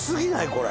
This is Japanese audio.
これ。